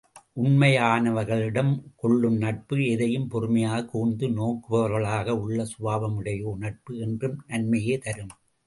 உண்மையானவர்களிடம் கொள்ளும் நட்பு, எதையும் பொறுமையாக, கூர்ந்து நோக்குபவர்களாக உள்ள சுபாவமுடையோர் நட்பு என்றும் நன்மையையே தரும்!